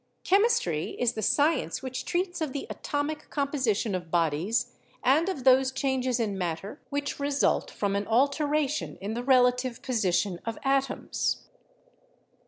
"Chemistry is the science which treats of the atomic composition of bodies and of those changes in matter which result from an alteration in the relative position of atoms."